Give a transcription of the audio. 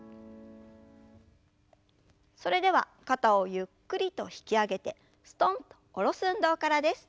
それでは肩をゆっくりと引き上げてすとんと下ろす運動からです。